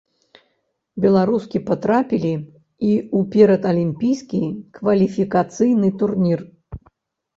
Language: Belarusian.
Беларускі патрапілі і ў перадалімпійскі кваліфікацыйны турнір.